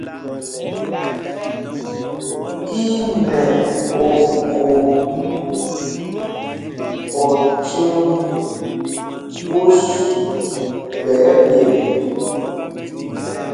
Í nɛ okhǒ o chúŋ phūs ɓɛ̌ ɛ́ɓyend ?